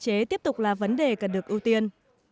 thế tiếp tục là vấn đề cần được ưu tiên